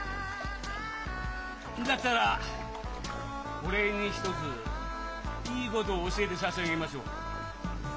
だったらお礼に一ついいことを教えて差し上げましょう。